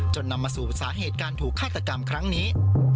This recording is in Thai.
นำมาสู่สาเหตุการถูกฆาตกรรมครั้งนี้